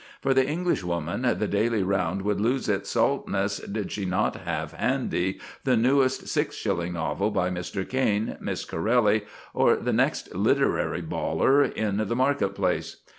For the Englishwoman the daily round would lose its saltness did she not have handy the newest six shilling novel by Mr. Caine, Miss Corelli, or the next literary bawler in the market place.